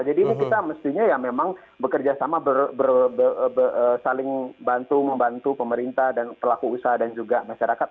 jadi ini kita mestinya ya memang bekerjasama saling bantu membantu pemerintah dan pelaku usaha dan juga masyarakat